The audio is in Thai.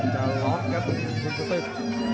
จะล้อมครับหมุนสตึก